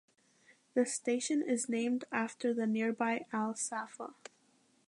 The station is named after the nearby Al Safa.